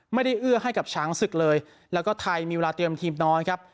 เอื้อให้กับช้างศึกเลยแล้วก็ไทยมีเวลาเตรียมทีมน้อยครับ